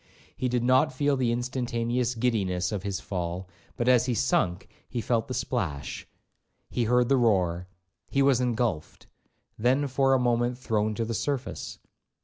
He did not feel the instantaneous giddiness of his fall, but as he sunk he felt the splash, he heard the roar. He was engulphed, then for a moment thrown to the surface.